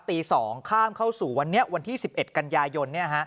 ตี๒ข้ามเข้าสู่วันที่๑๑กันยายน